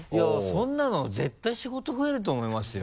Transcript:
そんなの絶対仕事増えると思いますよ。